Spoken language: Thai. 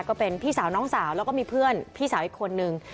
ก็เป็นพี่สาวน้องสาวแล้วก็มีเพื่อนพี่สาวอีกคนนึง